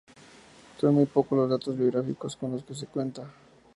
Son muy pocos los datos biográficos con los que se cuenta.